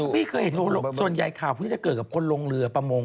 พี่เคยเห็นส่วนใหญ่ข่าวพวกนี้จะเกิดกับคนลงเรือประมง